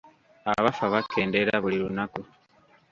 Abafa bakendeera buli lunaku.